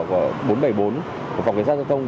của phòng cảnh sát giao thông